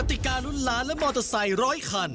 ติการุ้นล้านและมอเตอร์ไซค์ร้อยคัน